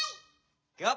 いくよ。